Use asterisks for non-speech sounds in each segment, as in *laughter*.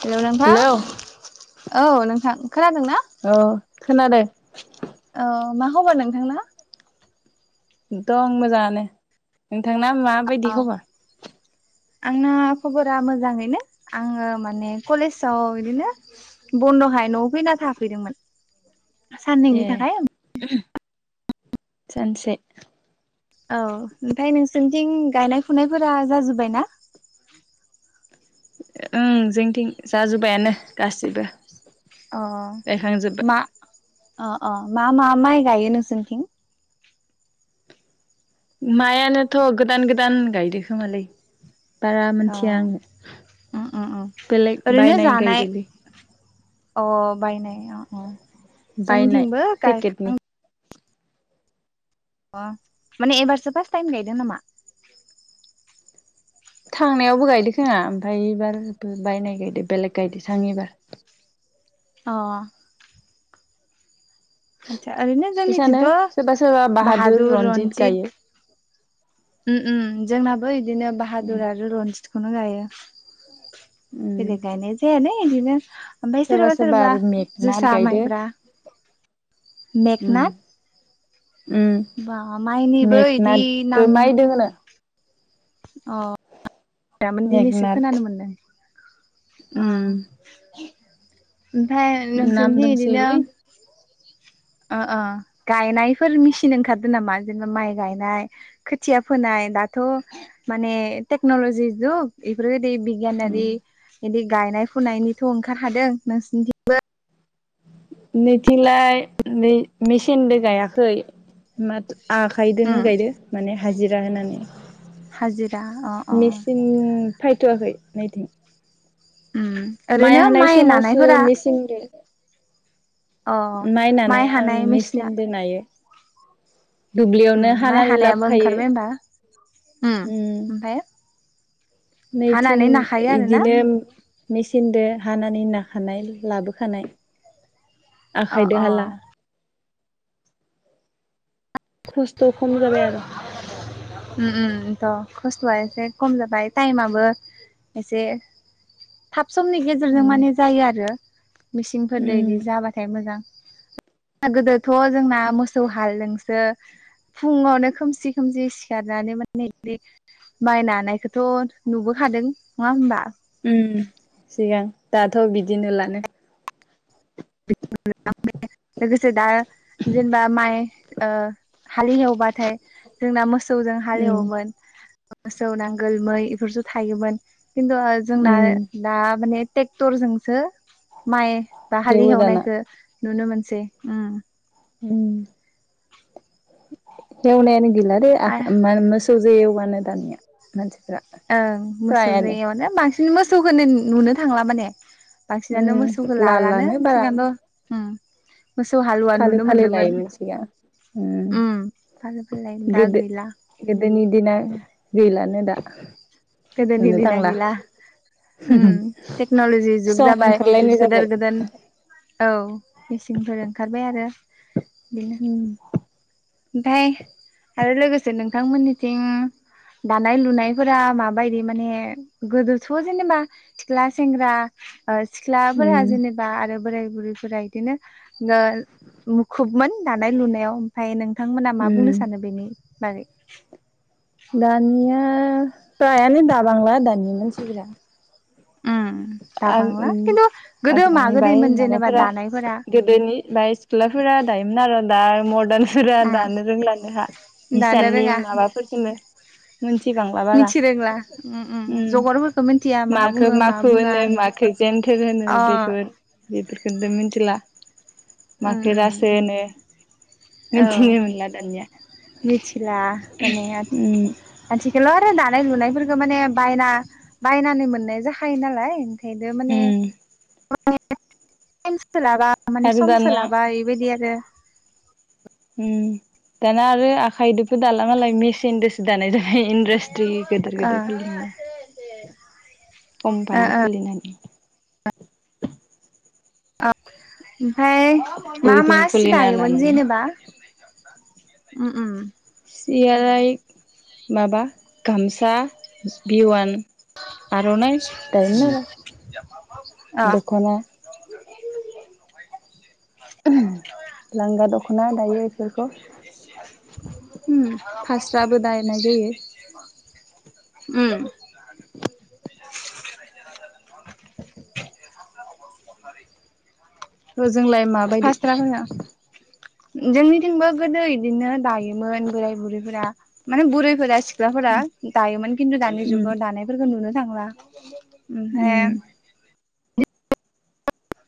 हेल' नोंथां हेलौ औ नोंथां खोनादों ना? अ खोनादो। औ मा खबर नोंथांना? दं मोजांङानो नोंथांना माबायदि औ खबर? आंना खबरा मोजांङैनो आंङो माने कलेजाव इदिनो बन्द'खाय न'आव फैना थाफैदोंमोन। साननैनि ए थाखाय औ उम सानसे औ ओमफाय नोंसोरनिथिं गायनाय फुनायफोरा जाजोब्बाय ना? ओं जोंथिं जाजोब्बायानो गासिबो। अ गायखांजोब्बाय मा अ अ मा मा माइ गायो नोंसोरनिथिं? मायानोथ' गोदान गोदान गायदोखोमालै। बारा अ मोनथिया आंङो उम उम उम बेलेग ओरैनो बायनाय जानाय गायदोलै। अ अ बायनाय अ अ बायनाय जोंथिंबो पेकेटनि गायखां अ माने एबारसो फार्स्ट टाइम गायदो नामा? थांनायावबो गायदो खोमा ओमफाय एबारबो बायनाय गायदो बेलेग गायदो सां एबार। अ ओरैनो इसानो जोंनिथिंथ' सोरबा सोरबा बाहादुर, रनजित गायो रन्जित उम जोंनाबो इदिनो बाहादुर आरो रन्जितखौनो गायो। उम बेलेग गायनाय जायालै इदिनो ओमफ्राय सोरबा सोरहाबा सोरबा सोरहाबा आरो मेघनाथ जोसा गायदो माइब्रा उम मेगना उम बा माइनिबो इदि मेगनाथबो नाम मायदों होनो अह दा माने दिनैसो मेगनाथ खोनानो मोनदों। अह। उम ओमफाय नाम नोंसोरनिथि इदिनो दोंसोयोलै ओ ओ गायनायफोर मिसिन ओंखारदो नामा जेनेबा माइ गायनाय? खोथिया फोनाय दाथ' माने टेक्न'लजि जुग इफोरबायदि बि उम गियानारि इदि गायनाय फुनायनिथ' ओंखार खादों, नोंसिनिथिं नैथिंलाय नै मेचिनदो गायाखै। माथो आखायदोनो उम गायदो माने हाजिरा होनानै। हाजिरा अ अ मेचिन फायथ'वाखै नैथिं। उम ओरैनो माइ नानायफोरा सिनदो। अ नायनानै माइ ओं हानाय मेसिना मेचिनदो नायो। उम दुब्लियावनो माइ हानानै हानायाबो लाबोखायो ओंखारबाय होमबा? उम ओमफाय? नैथिं हानानै नाखायो आरोना इदिनो मेचिनदो हानानै नाखानाय लाबोखानाय। अ आखायदो अ हाला। खस्थ' खम जाबाय आर'। उम उम एनथ' खस्थ'आ एसे खम जाबाय टाइमाबो एसे थाब समनि उम गेजेरजों माने जायो आरो मेसिंफोरदो इदि उम जाबा थाय मोजां गोदोथ' जोंना मोसौ हालजोंसो फुङावनो खोमसि खोमसि सिखारनानै माने माइ नानायखौथ' नुबोखादों नङा होमबा? उम सिगां दाथ' बिदि नुलानो। *unintelligible* लोगोसे दा जेनेबा माइ हालेवबाथाय जोंना मोसौजों उम हालेवोमोन। मोसौ नांगोल मै बेफोरसो थायोमोन। खिन्थु जोंना उम दा माने ट्रेक्टरजोंसो माइ बा हालि हेवो दाना एवनायखौ नुनो मोनसै उम। एवनायानो गैलादे आरो माने मोस सौजो एवानो दानिया। मानसि ओं मोसौ जायगावनो बांसिन मोसौखौनो नुनो थांला माने। बांसिनानो उम मोसौखौ लालानो बारा सिगांथ' उम। मोसौ हालुवा फालो नुनो फालो मोनदोमोन। लायोमोन सिगां उम फालो फालाय दा गोदो गैला। गोदोनि दिना गैलानो दा। गोदोनि नुनो दिना थांला गैला। उम टेक्न'लजि जुग सम जाबाय ओंखारलायनाय जाबाय गोदोर गोदोर औ मेचिनफोर ओंखारबाय आरो बिदिनो उम ओमफाय आरो लोगोसे नोंथांमोननिथिं दानाय लुनायफोरा मा बायदि माने गोदोथ' जेनेबा सिख्ला सेंग्रा सिख्लाफोरा उम जेनेबा बा आरो बोराय बुरैफोरा इदिनो मुखुबमोन दानाय लुनायाव। ओमफ्राय नोंथांमोना मा उम बुंनो सानो बेनि बागै। दानिया प्रायानो दाबांला दानि मानसिफोरा। उम दाबांला खिन्थु *unintelligible* गोदो मा आग्लानि बाय गोदैमोन जेनेबा माबाफोरा दानायफोरा गोदोनि बाय सिख्लाफोरा दायोमोन आरो दा मरदान सोरा उम दानो रोंलानो हा दानो हिसाननि रोङा माबाफोरखौनो मिथिबांला बारा मिथिरोंला उम उम ओम जगरफोरखौ मिथिया मा माखो बुङो मा माखो बुङा होनो माखौ जेनथेर होनो अ बेखौ बेफोरखौनथ' मिथिला। उम माखो उम रासो होनो औ मिथिनो मोनला दानिया। मिथिला माने उम मोनथिगौल' आरो दानाय लुनायफोरखौ माने बायना बायनानै मोननाय जाखायो नालाय। माने उम *unintelligible* माने आरो सम दाना सोलाबा बेबायदि आरो दाना आरो आखाइदोबो दाला मालाय मेसिनजोंसो दानाय जाय इन्डासट्रि गेदेर ओ गेदेर खुलिनानै। अमबानो खुलिनानै औ ओमफ्राय मा मा उइभिं सि खुलिना दायोमोन लानानै जेनेबा? उम उम सियालाय माबा गामसा बिवान आर'नाइ दायोमोन आरो। अ दख'ना लांगा दख'ना दायो बेफोरखौ। उम फास्राबो दानाय जायो *inaudible* उम जोंलाय माबा फास्रा होना *inaudible* जोंनिथिंबो गोदो इदिनो दायोमोन बोराय बुरैफोरा माने बुरैफोरा सि गख्लाफोरा दायोमोन खिन्थु दानि उम जुगाव दानायफोरखौ नुनो थांला। ओमफ्राय उम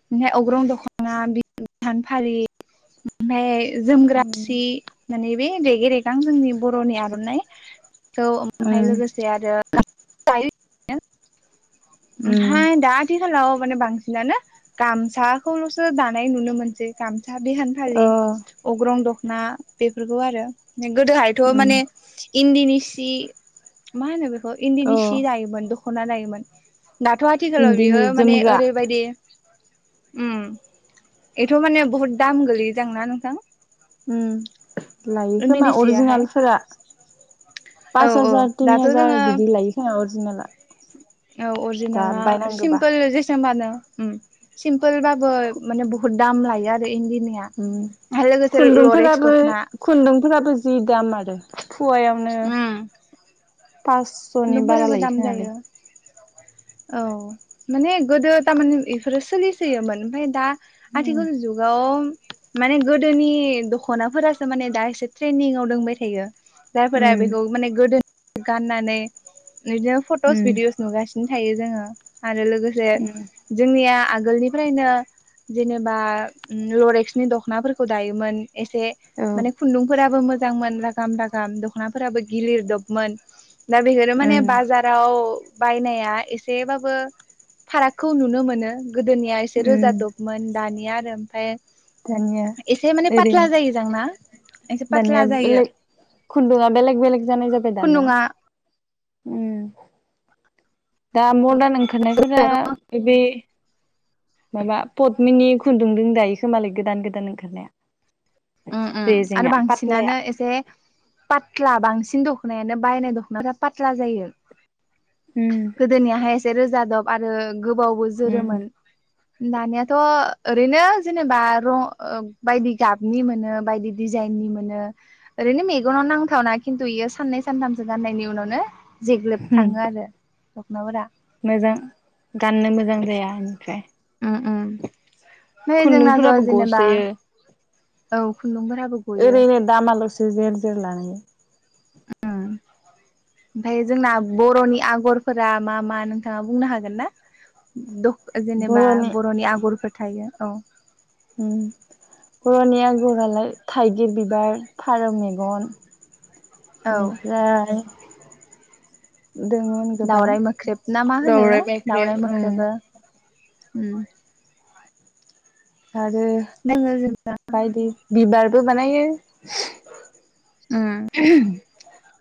ओमफ्राय अग्रं दख'ना बिानफारि ओमफ्राय उम जोमग्रासि माने बे रेग रेगां जोंनि बर'नि आर'नाइ खौ ओमफ्राय लोगोसे आरो उम हाय दा आथिखालाव माने बांसिनानो गामसाखौल'सो दानाय नुनो मोनसै। गामसा बिहान फालि अ अग्रं दख'ना बेफोरखौ आरो गोदोहाय उम माने इदिनिसि मा होनो बेखौ अ इदिनिसि दायो मोन दख'ना नायोमोन दाथ' आथिखालाव इन्दिनि बियो माने जोमग्रा ओरैबायदि उम बेथ' माने बहुत दाम गोलै जांना नोंथां? उम लायो खोमा इन्दिनि सियाहाय अरिजिनाेलफोरा। औ पास औ हाजार तिन दाथ' जोङो हाजार बिदि लायो खोमा अरिजिनेला। औ अरिजिनाला सिमपोल जेसेबांनो सिम्पोल बाबो माने बुहुत दाम लायो आरो इन्दिनिया। ओम आरो लोगोसे लरेक्स खुन्दुंफोराबो दख'ना खुन्दुंफोराबो जि दाम आरो फवायावनो उम पास स'नि बारा खुन्दुंफोराबो लायो दाम खोनालै जायो औ माने गोदो थारमाने बेफोरो सोलिसोयोमोन ओमफ्राय दा उम आथिखाल जुग गाव माने गोदोनि दख'नाफोरासो माने दा एसे ट्रेनिंआव दोंबाय थायो। जायफोरा उम बेखौ माने गोदोनि गाननानै बिदिनो फट'स उम भिडिअस नुगासिनो थायो जोङो आरो लोगोसे उम जोंनिया आगोलनिफ्रायनो जेनेबा लरेक्सनि दख'नाफोरखौ दायोमोन एसे औ माने खुन्दुंफोराबो मोजांमोन रागाम रागाम दख'नाफोराबो गिलिर दबमोन। दा बेखौनो माने उम बाजाराव बायनाया एसेबाबो फारागखौ नुनो मोनो गोदोनिया एसे उम रोजाादबमोन दानिया आरो ओमफाय *unintelligible* एसे माने पात्ला ओरैनो जायो जोंना एसे पात्ला दानिया जायो बेलेग खुन्दुङा बेलेग बेलेग जानाय जाबाय दाना खुन्दुङा दा मदार्न ओंखारनायफोरा बे बे माबा पदमिनि खुन्दुंदों दायोखोमालाय गोदान गोदान ओंखारनाया मम आरो रेजेंआ पातलाया बांसिनानो एसे पात्ला बांसिन दख'नायानो बायनाय दख'नाफ्रा पात्ला जायो उम गोदोनियाहाय एसे रोजादब आरो गोबावबो जोरोमोन दानियाथ ओरैनो जेनेबा रं बायदि गाब नि मोनो बायदि डिजाइन नि मोनो ओरैनो मेगनाव नांथावना खिन्थु इयो साननै सानथामसो गाननायनि उनावनो जेग्लब उम थाङो आरो दखनाफोरा मोजां गाननो मोजां जाया उम उम ओमफ्राय निमफ्राय जोंनाथ' खुन्दुंफोराबो जेनेबा गसोयो औ खुन्दुंफोराबो गयो ओरै दामाल'सो जेर जेर लानायायो *inaudible* ओमफफ्राय जोंना बर'नि आगरफोरा मा मा नोंथाङा बुंनो हागोन ना जेनेबा बर'नि आगरफोर थायो औ उम बनिय आगरालाय थाइगिर बिबार फारौ मेगन औ बेनिफ्राय दङ दाावरराय मोख्रेब ना मा होनो मोख्रेब दाावरराय ओं मोख्रेबो उम आरो *unintelligible* बायदि बिबारबो बानायो औ उम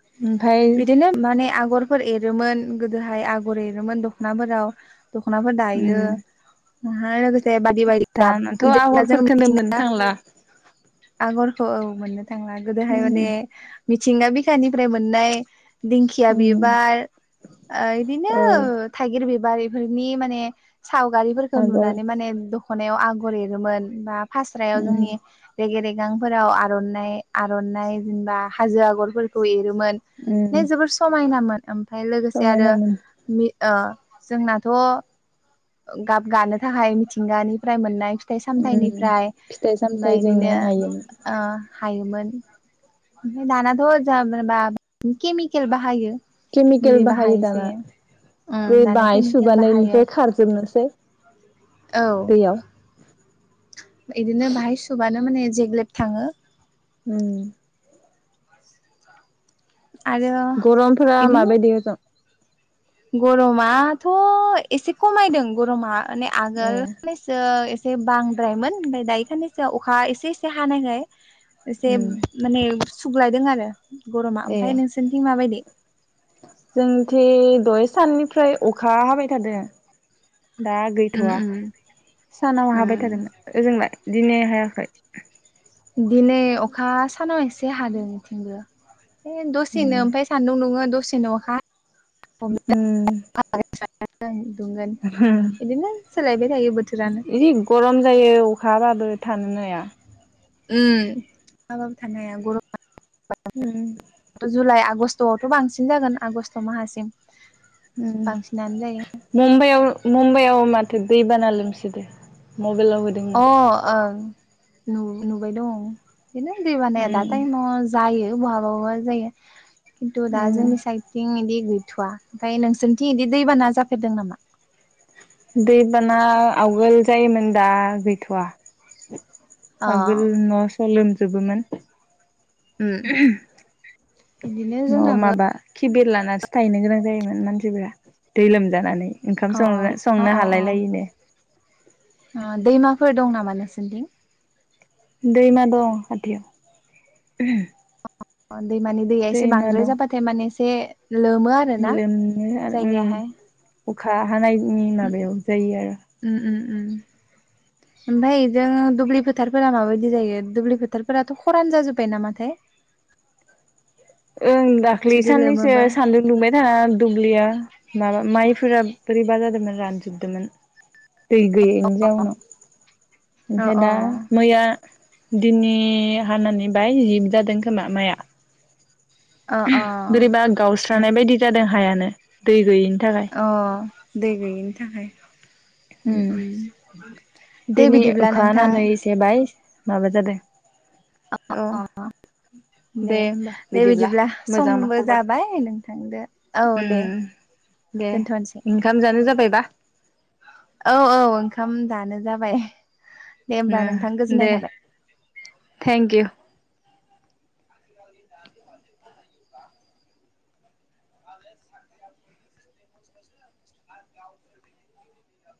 ओमफाय बिदिनो माने आगर फोर एरोमोन गोदोहाय आगर एरोमोन दख'नाफोराव दख'नाफोर दायो। उम लोगोसे बायदि बायदि गाब दानाथ' जेनेबा जों आगरफोरखौनो मोननो मिथिंगा थांला आगरखौ औ मोननो थांला गोदोहाय उम माने मिथिंगा बिखानिफ्राय मोननाय दिंखिया उम बिबार बिदिनो औ थाइगिर बिबारिफोरनि माने सावगारिफोरखौ आगर नुनानै माने दख'नायाव आगर एरोमोन बा फास्रायाव उम जोंनि रेगे रेगांफोराव आर'नाइ आर'नाइ जेनबा हाजो आगरफोरखौ एरोमोन म उम जोबोर समायनोन ओमफाय लोगोसे ओआरो समायनामोन जोंनाथ' गाब गानो थाखाय मिथिंगानिफ्राय मोननाय फिथाइ उम सामथाइनिफ्राय फिथाइ ओमफ्राय बिदिनो सामथाइजोंनो हायोमोन हायोमोन ओमफ्राय दानाथ' जेबा केमिकेल बाहायो। केमिकेल मुलि बाहायो बाहायोसो दाना बै उम दाना बाय केमिकेल बाहायो सुबानायनिफ्राय खारजोबनोसै। औ दैयाव बिदिनो बाहाय सुबानो माने जेग्लेब थाङो। उम आरो गरमफोरा इदिनो माबायदि होदों? गरमाथ' एसे खमायदों गरमा माने ए आगोल- जो एसे बांद्रायमोन ओमफ्राय दायोखायनोसो अखा एसे एसे हानायखाय एसे माने सुग्लायदों आरो गरमा ए ओमफ्राय नोंसोरनिथिं माबायदि? जोंथि दय साननिफ्राय अखा हाबाय थादो। दा उम गैथ'वा उम सानाव हाबाय उम थादोंमोन ओजोंलाय दिनै हायाखै। दिनै अखा सानाव एसे हादों इथिंबो। ए दसेनो ओमफ्राय सान्दुं दुङो दसेनो अखा उम *unintelligible* इदिनो सोलायबाय थायो बोथोर जि गरम जायो अखाबाबो थानोनो नाया। उम आंबो *unintelligible* उम जुलाइ आगष्टआवथ' बांसिन जागोन आगष्ट माहासिम। उम बांसिनानो जायो मुम्बाइआव मुम्बाइआव माथो दैबाना लोमसिदो मबाइलाव होद अ ओं नु-नुबाय दं बेनो दैबानाया दा उम टाइमाव जायो बहाबा बाबा जायो खिन्थु दा उम जोंनि साइडथिं बिदि गैथ'वा ओमफ्राय नोंसोरथिं बिदि दैबाना जाफेरदों नामा? दैबाना आवगोल जायोमोन दा गैथ'वा। अ आगोल न' स' लोमजोबोमोन। उम बिदिनो न' जोंनाबो माबा किबेल लानानैसो थाहैनो गोनां जायोमोन मानसिफोरा दै लोमजानानै। ओंखाम अ अ सं-संनो हालायलायिनो। ओ दैमाफोर दं नामा नोंसोरनिथिं? दैमा दं खाथियाव। अ दैमानि दैया एसे दैमा बांद्राय दं जाबाथाय माने एसे लोमो आरोना लोमनो उम जायगायाहाय अखा हानायनि माबायाव जायो आरो उम उम उम *inaudible* ओमफ्राय जों दुब्लि फोथारफोरा माबायदि जायो दुब्लि फोथारफोराथ' खरान जाजोब्बाय नामाथाय ओं दाखलि जुदि सान्नैसो लोमोबा सान्दुं दुंबाय थाना दुब्लिया माबा माइफोरा बोरैबा जादोंमोन रानजोबदोंमोन दै गैयैनि जाउनाव अ ओमफ्राय अ दा मैया दिनै हानानै बाय जिब जादों खोमा माइया अ अ बोरैबा गावस्रानाय बायदि जादों हायानो दै गैयिनि थाखाय अ दै गैयिनि थाखाय उम उम दे दिनै बिदिब्ला अखा नोंथां हानानै एसे बायस माबा जादों औ *unintelligible* *inaudible* दे होमबा दे बिदिब्ला मोजां मा समबो खबर जाबाय नोंथांदो औ दे उम दे दोनथ'नोसै ओंखाम जानो जाबायबा औ औ ओंखाम जानो जाबाय दे होमबा ओ नोंथां गोजोननाय दे थाबाय थेंक इउ *unintelligible* *unintelligible*